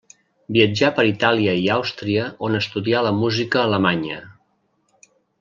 Viatjà per Itàlia i Àustria on estudià la música alemanya.